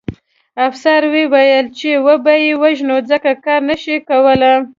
افسر وویل چې وبه یې وژنو ځکه کار نه شي کولی